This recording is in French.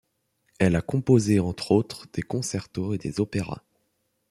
Elle a composé entre autres des concertos et des opéras.